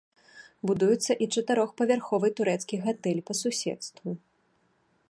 Будуецца і чатырохпавярховы турэцкі гатэль па суседству.